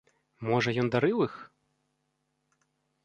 Можа, ён дарыў іх?